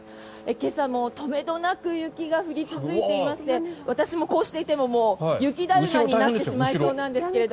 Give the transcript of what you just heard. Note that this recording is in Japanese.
今朝も止めどなく雪が降り続いていまして私もこうしていても雪だるまになってしまいそうですけど。